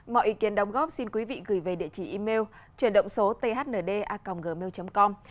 mọi ý kiến đóng góp xin quý vị gửi về địa chỉ email chuyểndộngsosothnda gmail com